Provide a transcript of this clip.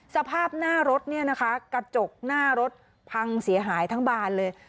สภาพหน้ารถเนี่ยนะคะกระจกหน้ารถพังเสียหายทั้งบานเลย